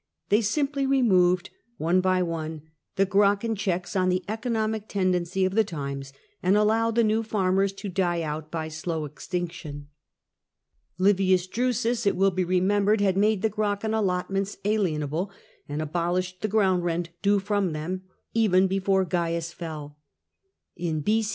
They simply removed, one by one, the Gracchan checks on the economic tendency of the times, and allowed the new farmers to die out by slow extinction, livius Drusus, it will be remembered, had made the Gracchan allotments alienable, and abolished the ground rent due from them, even before Caius fell In B.c.